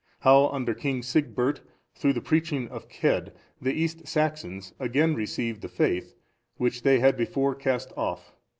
How under King Sigbert, through the preaching of Cedd, the East Saxons again received the faith, which they had before cast off.